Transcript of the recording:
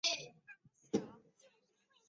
看着我